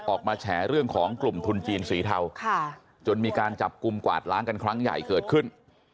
แฉเรื่องของกลุ่มทุนจีนสีเทาจนมีการจับกลุ่มกวาดล้างกันครั้งใหญ่เกิดขึ้น